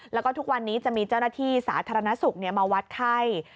แล้วก็ทุกวันนี้จะมีเจ้าหน้าที่สาธารณสุขมาวัดไข้